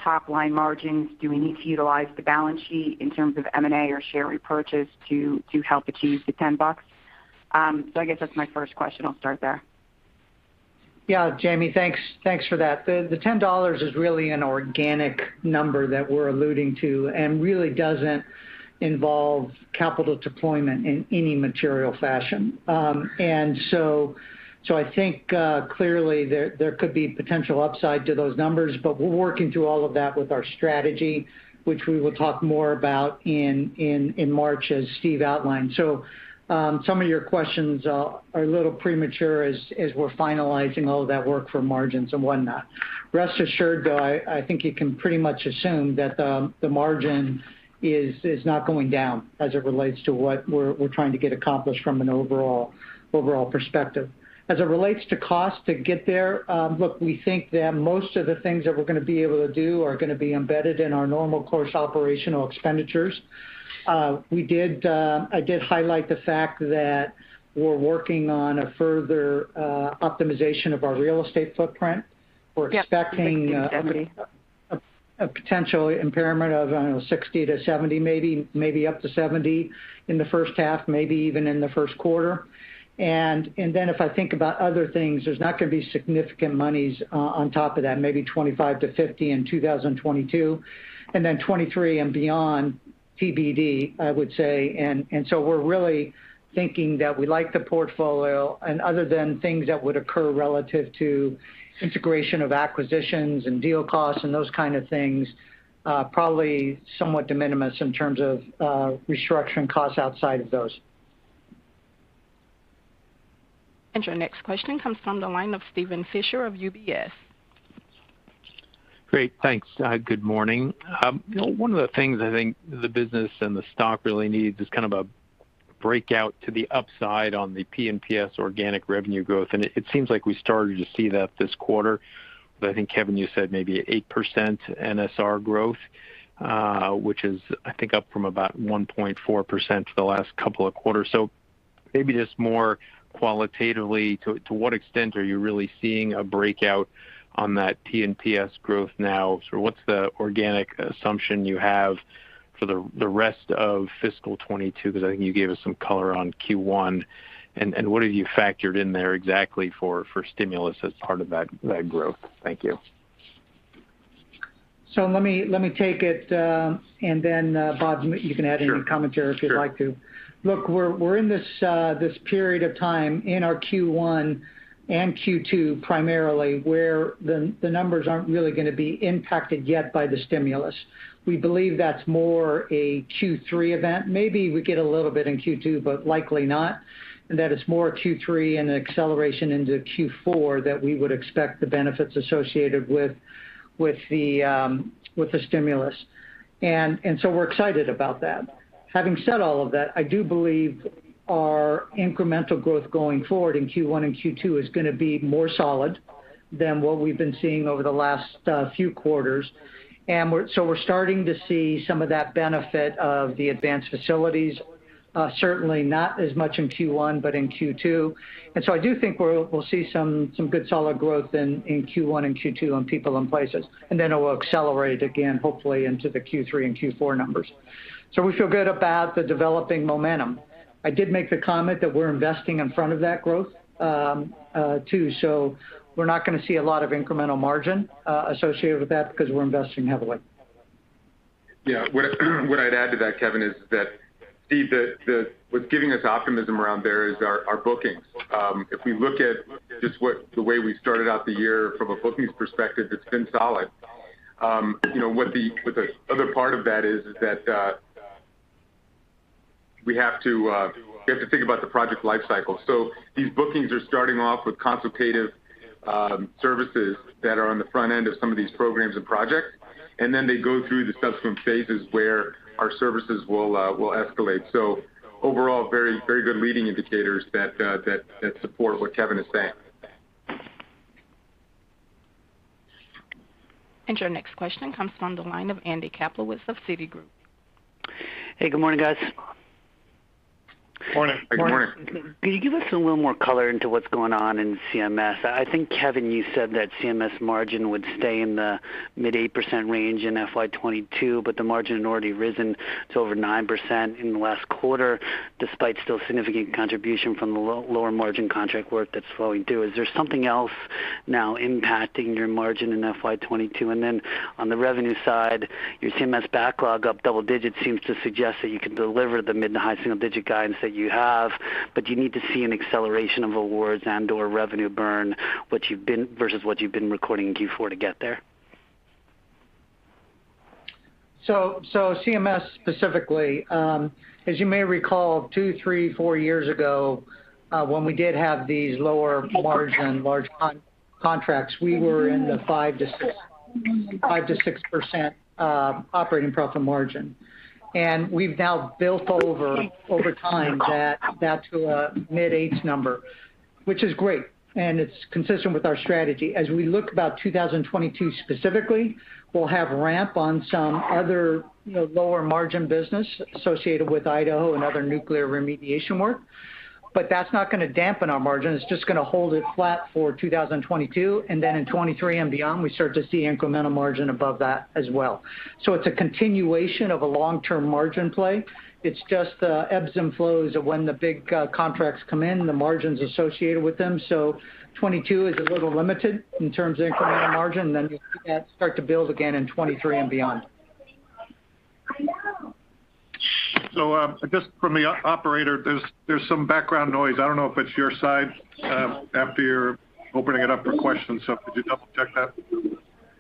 top line margins? Do we need to utilize the balance sheet in terms of M&A or share repurchase to help achieve the $10? That's my first question. I'll start there. Yeah, Jamie. Thanks for that. The $10 is really an organic number that we're alluding to and really doesn't involve capital deployment in any material fashion. Clearly, there could be potential upside to those numbers, but we're working through all of that with our strategy, which we will talk more about in March as Steve outlined. Some of your questions are a little premature as we're finalizing all of that work for margins and whatnot. Rest assured, though, you can pretty much assume that the margin is not going down as it relates to what we're trying to get accomplished from an overall perspective. As it relates to cost to get there, we think that most of the things that we're gonna be able to do are gonna be embedded in our normal course operational expenditures. I did highlight the fact that we're working on a further optimization of our real estate footprint. Yeah. We're expecting a potential impairment of, I don't know, $60 million-$70 million, maybe up to $70 million in the first half, maybe even in the first quarter. If I think about other things, there's not gonna be significant monies on top of that, maybe $25 million-$50 million in 2022, and then 2023 and beyond TBD, I would say. We're really thinking that we like the portfolio, and other than things that would occur relative to integration of acquisitions and deal costs and those things, probably somewhat de minimis in terms of restructuring costs outside of those. Your next question comes from the line of Steven Fisher of UBS. Great. Thanks. Good morning. One of the things, the business and the stock really needs is a breakout to the upside on the P&PS organic revenue growth. It seems like we started to see that this quarter. Kevin, you said maybe 8% NSR growth, which is up from about 1.4% for the last couple of quarters. Maybe just more qualitatively, to what extent are you really seeing a breakout on that P&PS growth now? What's the organic assumption you have for the rest of fiscal 2022? 'Cause you gave us some color on Q1. What have you factored in there exactly for stimulus as part of that growth? Thank you. Let me take it, and then, Bob, you can add any commentary if you'd like to. Sure. We're in this period of time in our Q1 and Q2 primarily, where the numbers aren't really gonna be impacted yet by the stimulus. We believe that's more a Q3 event. Maybe we get a little bit in Q2, but likely not. That it's more Q3 and an acceleration into Q4 that we would expect the benefits associated with the stimulus. We're excited about that. Having said all of that, I do believe our incremental growth going forward in Q1 and Q2 is gonna be more solid than what we've been seeing over the last few quarters. We're starting to see some of that benefit of the advanced facilities, certainly not as much in Q1, but in Q2. I do think we'll see some good solid growth in Q1 and Q2 on people and places, and then it will accelerate again, hopefully into the Q3 and Q4 numbers. We feel good about the developing momentum. I did make the comment that we're investing in front of that growth, too. We're not gonna see a lot of incremental margin associated with that because we're investing heavily. What I'd add to that, Kevin, is that. Steve, what's giving us optimism around there is our bookings. If we look at just the way we started out the year from a bookings perspective, it's been solid. What the other part of that is that we have to think about the project life cycle. These bookings are starting off with consultative services that are on the front end of some of these programs and projects, and then they go through the subsequent phases where our services will escalate. Overall, very good leading indicators that support what Kevin is saying. Your next question comes from the line of Andy Kaplowitz of Citigroup. Good morning, guys. Morning. Morning. Can you give us a little more color into what's going on in CMS? Kevin, you said that CMS margin would stay in the mid-8% range in FY 2022, but the margin had already risen to over 9% in the last quarter, despite still significant contribution from the lower margin contract work that's flowing through. Is there something else now impacting your margin in FY 2022? On the revenue side, your CMS backlog up double digits seems to suggest that you can deliver the mid- to high single-digit guidance that you have, but do you need to see an acceleration of awards and/or revenue burn versus what you've been recording in Q4 to get there? CMS specifically, as you may recall, two, three, four years ago, when we did have these lower margin, large contracts, we were in the 5%-6% operating profit margin. We've now built over time that to a mid-8s number, which is great, and it's consistent with our strategy. As we look about 2022 specifically, we'll have ramp on some other lower margin business associated with Idaho and other nuclear remediation work. That's not gonna dampen our margin. It's just gonna hold it flat for 2022, and then in 2023 and beyond, we start to see incremental margin above that as well. It's a continuation of a long-term margin play. It's just ebbs and flows of when the big contracts come in, the margins associated with them. 2022 is a little limited in terms of incremental margin, then you'll see that start to build again in 2023 and beyond. From the operator, there's some background noise. I don't know if it's your side, after you're opening it up for questions. Could you double-check that?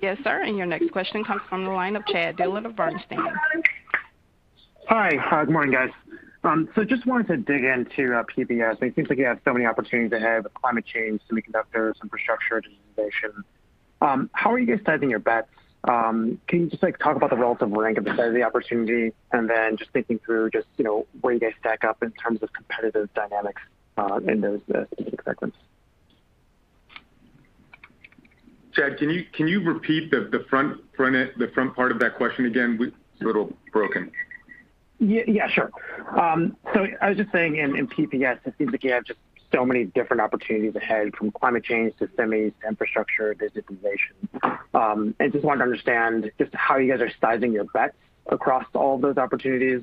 Yes, sir. Your next question comes from the line of Chad Dillard of Bernstein. Hi. Good morning, guys. Just wanted to dig into P&PS. It seems like you have so many opportunities ahead with climate change, semiconductors, infrastructure, digitization. How are you guys sizing your bets? Can you just, like, talk about the relative rank of the size of the opportunity? Then just thinking through, where you guys stack up in terms of competitive dynamics in those segments. Chad, can you repeat the front part of that question again? It's a little broken. Yeah, yeah, sure. I was just saying in P&PS, it seems like you have just so many different opportunities ahead from climate change to semis, infrastructure, digitization. I just wanted to understand just how you guys are sizing your bets across all those opportunities.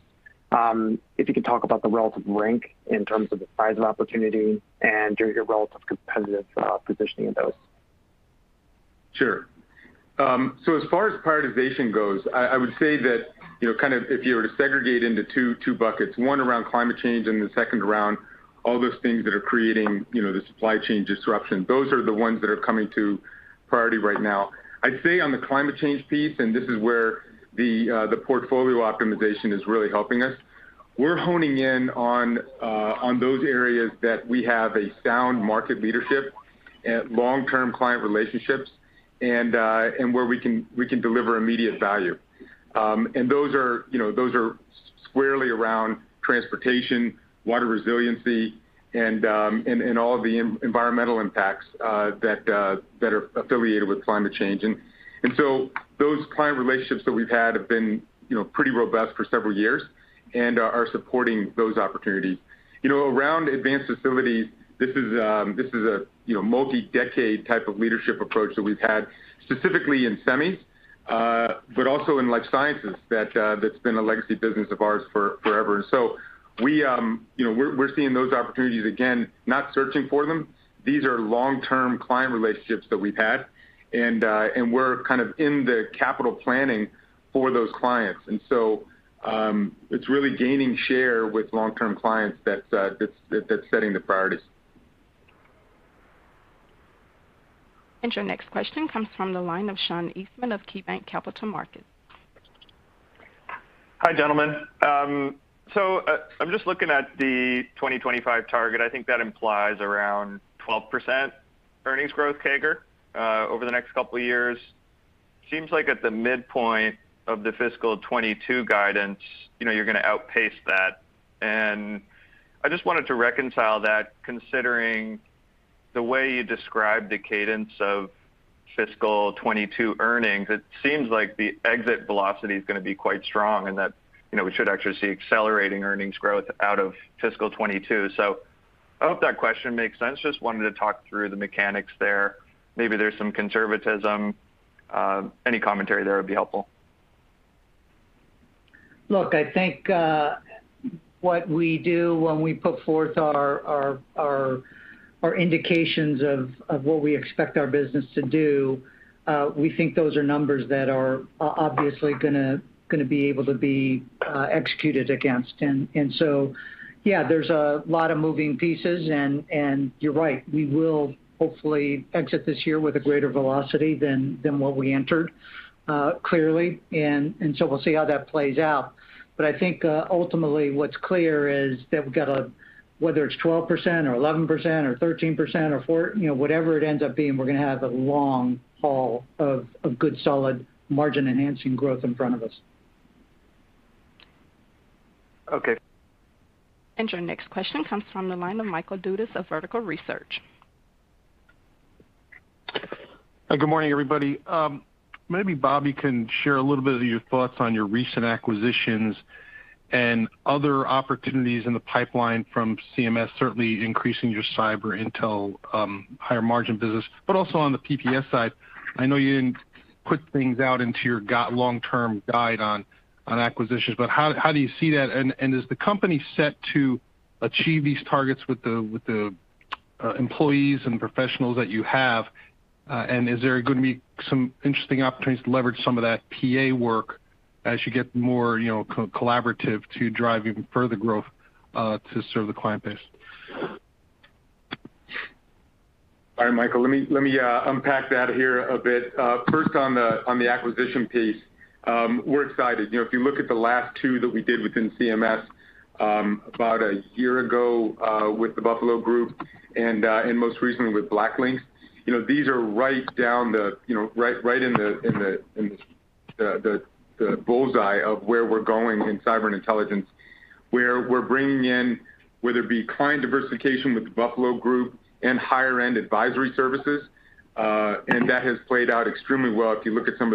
If you could talk about the relative rank in terms of the size of opportunity and your relative competitive positioning in those. Sure. So as far as prioritization goes, I would say that, if you were to segregate into two buckets, one around climate change and the second around all those things that are creating the supply chain disruption, those are the ones that are coming to priority right now. I'd say on the climate change piece, and this is where the portfolio optimization is really helping us, we're honing in on those areas that we have a sound market leadership and long-term client relationships and where we can deliver immediate value. Those are squarely around transportation, water resiliency, and all the environmental impacts that are affiliated with climate change. Those client relationships that we've had have been pretty robust for several years and are supporting those opportunities. Around advanced facilities, this is a multi-decade type of leadership approach that we've had specifically in semis, but also in life sciences that's been a legacy business of ours for forever. We're seeing those opportunities, again, not searching for them. These are long-term client relationships that we've had, and we're in the capital planning for those clients. It's really gaining share with long-term clients that's setting the priorities. Your next question comes from the line of Sean Eastman of KeyBanc Capital Markets. Hi, gentlemen. I'm just looking at the 2025 target. That implies around 12% earnings growth CAGR over the next couple of years. Seems like at the midpoint of the fiscal 2022 guidance, you're gonna outpace that. I just wanted to reconcile that considering the way you described the cadence of fiscal 2022 earnings. It seems like the exit velocity is gonna be quite strong and that we should actually see accelerating earnings growth out of fiscal 2022. I hope that question makes sense. Just wanted to talk through the mechanics there. Maybe there's some conservatism. Any commentary there would be helpful. What we do when we put forth our indications of what we expect our business to do, we think those are numbers that are obviously gonna be able to be executed against. Yeah, there's a lot of moving pieces and you're right, we will hopefully exit this year with a greater velocity than what we entered, clearly. We'll see how that plays out. Ultimately what's clear is that we've got a whether it's 12% or 11% or 13% or 14%, whatever it ends up being, we're gonna have a long haul of good solid margin-enhancing growth in front of us. Okay. Your next question comes from the line of Michael Dudas of Vertical Research. Good morning, everybody. Maybe Bob, you can share a little bit of your thoughts on your recent acquisitions and other opportunities in the pipeline from CMS, certainly increasing your cyber intel, higher margin business, but also on the P&PS side. I know you didn't put things out into your long-term guide on acquisitions, but how do you see that? Is the company set to achieve these targets with the employees and professionals that you have? Is there gonna be some interesting opportunities to leverage some of that PA work as you get more collaborative to drive even further growth to serve the client base? All right, Michael, let me unpack that here a bit. First on the acquisition piece, we're excited. If you look at the last two that we did within CMS, about a year ago, with the Buffalo Group and most recently with BlackLynx, these are right in the bullseye of where we're going in cyber intelligence, where we're bringing in, whether it be client diversification with the Buffalo Group and higher-end advisory services, and that has played out extremely well. If you look at some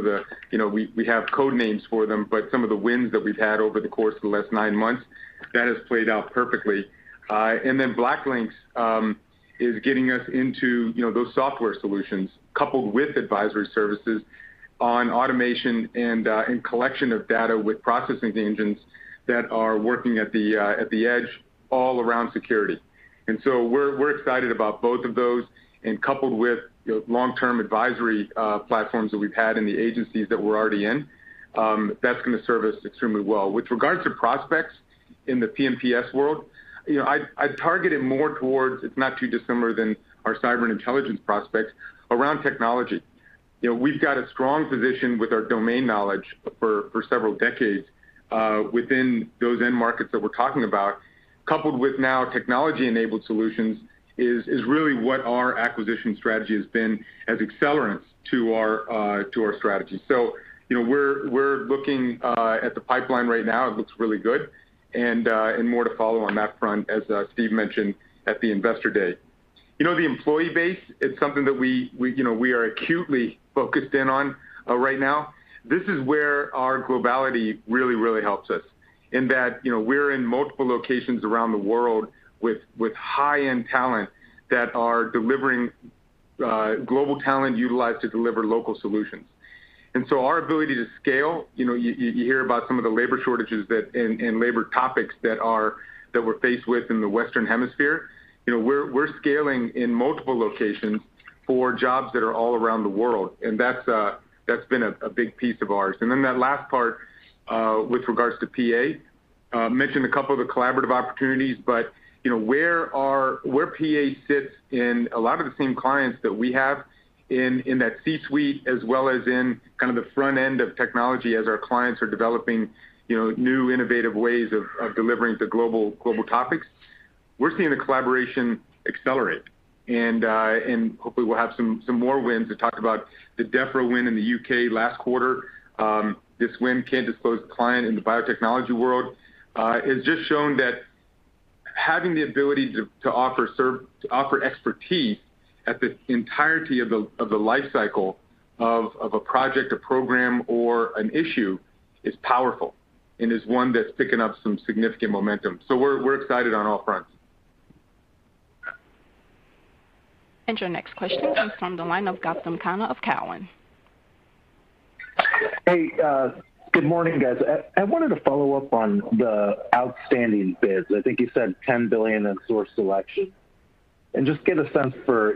code names for them, but some of the wins that we've had over the course of the last nine months, that has played out perfectly. BlackLynx is getting us into those software solutions coupled with advisory services on automation and collection of data with processing engines that are working at the edge all around security. We're excited about both of those. Coupled with long-term advisory platforms that we've had in the agencies that we're already in, that's gonna serve us extremely well. With regards to prospects in the P&PS world, I'd target it more towards, it's not too dissimilar than our cyber intelligence prospects around technology. We've got a strong position with our domain knowledge for several decades within those end markets that we're talking about, coupled with now technology-enabled solutions is really what our acquisition strategy has been as accelerants to our strategy. We're looking at the pipeline right now. It looks really good, and more to follow on that front, as Steve mentioned at the Investor Day. The employee base, it's something that we are acutely focused in on right now. This is where our globality really helps us in that we're in multiple locations around the world with high-end talent that are delivering global talent utilized to deliver local solutions. Our ability to scale, you hear about some of the labor shortages and labor topics that we're faced with in the Western Hemisphere. We're scaling in multiple locations for jobs that are all around the world, and that's been a big piece of ours. That last part with regards to PA mentioned a couple of the collaborative opportunities, but where PA sits in a lot of the same clients that we have in that C-suite, as well as in the front end of technology as our clients are developing new innovative ways of delivering to global topics, we're seeing the collaboration accelerate. Hopefully we'll have some more wins to talk about the Defra win in the U.K. last quarter. This win, can't disclose the client in the biotechnology world, has just shown that having the ability to offer expertise at the entirety of the life cycle of a project, a program, or an issue is powerful and is one that's picking up some significant momentum. We're excited on all fronts. Your next question comes from the line of Gautam Khanna of Cowen. Good morning, guys. I wanted to follow up on the outstanding bids. You said $10 billion in source selection. Just get a sense for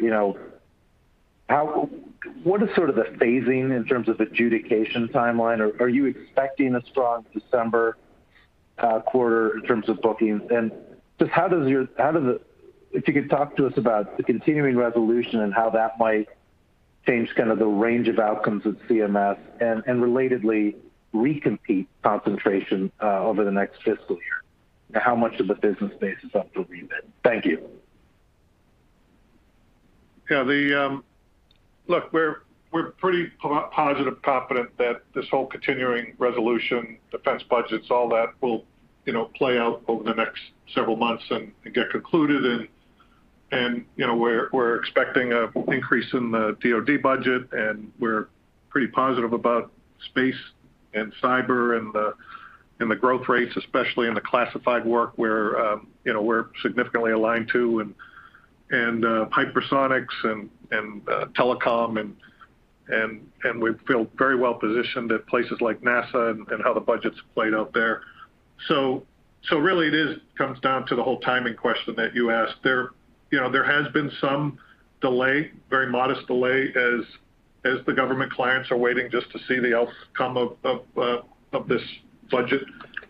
what is the phasing in terms of adjudication timeline? Are you expecting a strong December quarter in terms of bookings? If you could talk to us about the continuing resolution and how that might change the range of outcomes with CMS and, relatedly, recompete concentration over the next fiscal year, how much of the business base is up for rebid? Thank you. Yeah. We're pretty positive, confident that this whole continuing resolution, defense budgets, all that will play out over the next several months and we're expecting an increase in the DoD budget, and we're pretty positive about space and cyber and the growth rates, especially in the classified work where we're significantly aligned to and Hypersonics and telecom and we feel very well positioned at places like NASA and how the budget's played out there. Really, it comes down to the whole timing question that you asked. There has been some delay, very modest delay as the government clients are waiting just to see the outcome of this budget.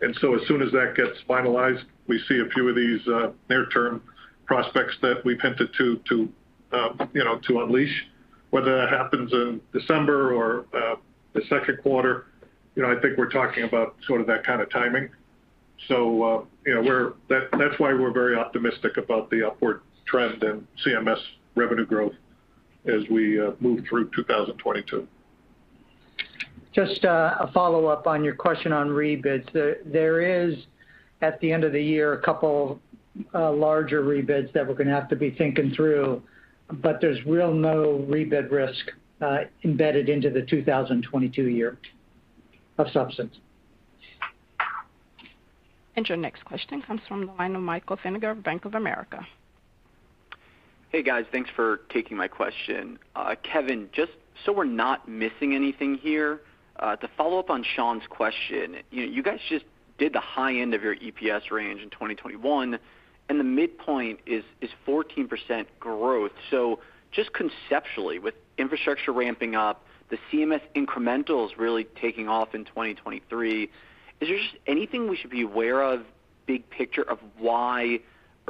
As soon as that gets finalized, we see a few of these near-term prospects that we've hinted to unleash. Whether that happens in December or the second quarter, we're talking about that timing. That's why we're very optimistic about the upward trend in CMS revenue growth as we move through 2022. Just a follow-up on your question on rebids. There is, at the end of the year, a couple, larger rebids that we're gonna have to be thinking through, but there's really no rebid risk embedded into the 2022 year of substance. Your next question comes from the line of Michael Feniger of Bank of America. Thanks for taking my question. Kevin, just so we're not missing anything here, to follow up on Sean's question, you guys just did the high end of your EPS range in 2021, and the midpoint is 14% growth. Just conceptually, with infrastructure ramping up, the CMS incrementals really taking off in 2023, is there just anything we should be aware of, big picture, of why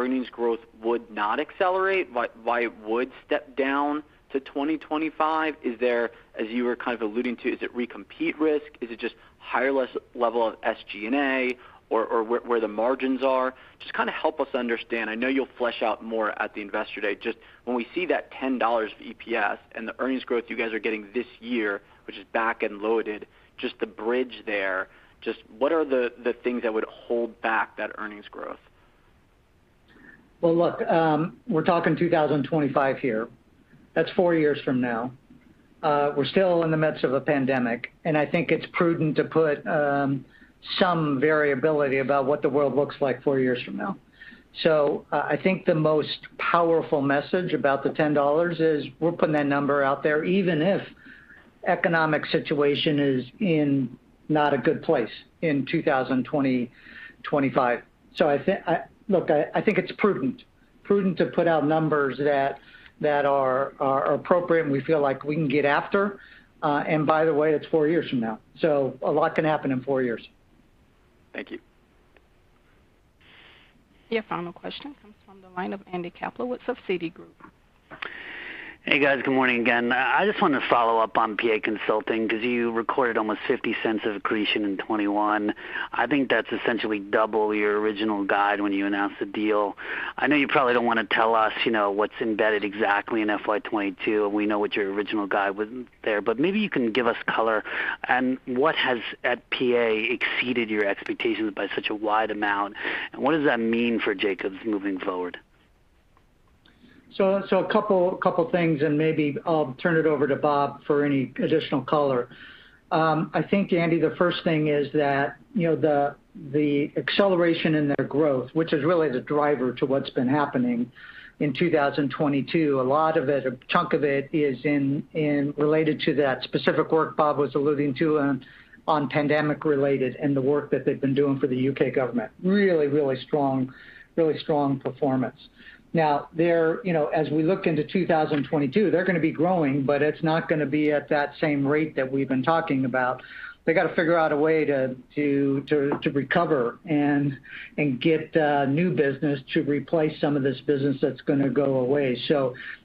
earnings growth would not accelerate, why it would step down to 2025? As you were alluding to, is it recompete risk? Is it just higher level of SG&A or where the margins are? Just kinda help us understand. I know you'll flesh out more at the Investor Day. Just when we see that $10 of EPS and the earnings growth you guys are getting this year, which is back-end loaded, just to bridge there, just what are the things that would hold back that earnings growth? We're talking 2025 here. That's four years from now. We're still in the midst of a pandemic, and it's prudent to put some variability about what the world looks like four years from now. The most powerful message about the $10 is we're putting that number out there even if economic situation is in not a good place in 2025. It's prudent to put out numbers that are appropriate, and we feel like we can get after. And by the way, it's four years from now, so a lot can happen in four years. Thank you. Your final question comes from the line of Andy Kaplowitz of Citigroup. Good morning again. I just wanted to follow up on PA Consulting 'cause you recorded almost $0.50 of accretion in 2021. That's essentially double your original guide when you announced the deal. I know you probably don't wanna tell us what's embedded exactly in FY 2022, and we know what your original guide was there, but maybe you can give us color on what has, at PA, exceeded your expectations by such a wide amount, and what does that mean for Jacobs moving forward? A couple things, and maybe I'll turn it over to Bob for any additional color. Andy, the first thing is that the acceleration in their growth, which is really the driver to what's been happening in 2022, a lot of it, a chunk of it is related to that specific work Bob was alluding to on pandemic-related and the work that they've been doing for the U.K. government. Really strong performance. Now they're, as we look into 2022, they're gonna be growing, but it's not gonna be at that same rate that we've been talking about. They gotta figure out a way to recover and get new business to replace some of this business that's gonna go away.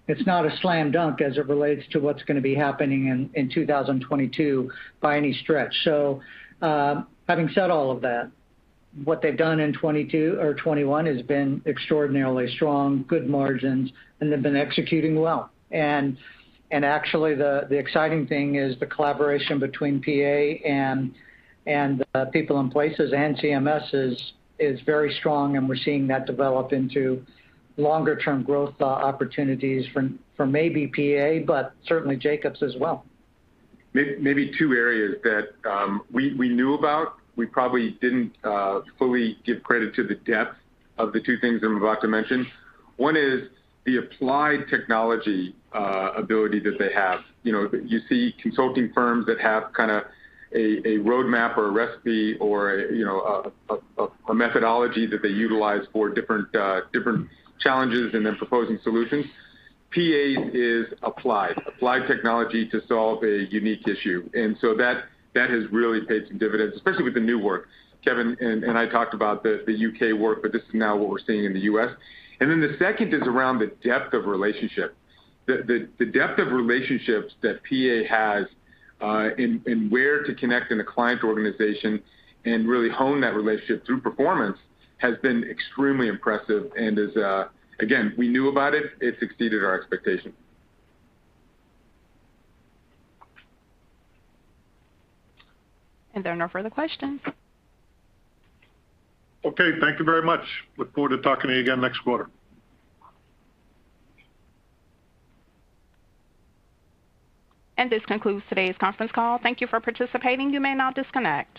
It's not a slam dunk as it relates to what's gonna be happening in 2022 by any stretch. Having said all of that, what they've done in 2022 or 2021 has been extraordinarily strong, good margins, and they've been executing well. Actually the exciting thing is the collaboration between PA and People and Places and CMS is very strong, and we're seeing that develop into longer-term growth opportunities from maybe PA, but certainly Jacobs as well. Maybe two areas that we knew about, we probably didn't fully give credit to the depth of the two things I'm about to mention. One is the applied technology ability that they have. You see consulting firms that have kinda a roadmap or a recipe or a methodology that they utilize for different challenges, and they're proposing solutions. PA is applied technology to solve a unique issue. That has really paid some dividends, especially with the new work. Kevin and I talked about the U.K. work, but this is now what we're seeing in the U.S. The second is around the depth of relationship. The depth of relationships that PA has and where to connect in a client organization and really hone that relationship through performance has been extremely impressive and is, again, we knew about it. It's exceeded our expectations. There are no further questions. Okay, thank you very much. We look forward to talking to you again next quarter. This concludes today's conference call. Thank you for participating. You may now disconnect.